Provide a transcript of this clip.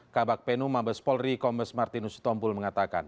kabak penu mabes polri kombes martinus sitompul mengatakan